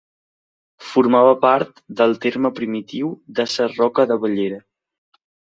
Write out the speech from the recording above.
Formava part del terme primitiu de Sarroca de Bellera.